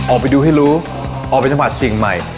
ออกไปดูให้รู้ออกไปจังหวัดสิ่งใหม่